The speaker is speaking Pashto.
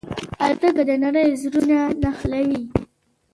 الوتکه د نړۍ زړونه نښلوي.